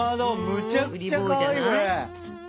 むちゃくちゃかわいいこれ。